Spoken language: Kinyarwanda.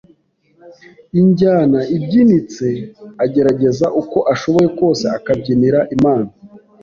injyana ibyinitse agerageza uko ashoboye kose akabyinira Imana,